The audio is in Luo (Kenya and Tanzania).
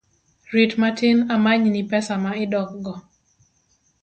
Rit matin amany ni pesa ma idok go